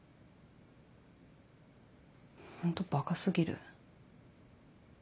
ホントバカ過ぎる。